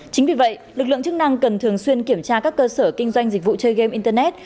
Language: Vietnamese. chính vì vậy lực lượng chức năng cần thường xuyên kiểm tra các cơ sở kinh doanh dịch vụ chơi gam internet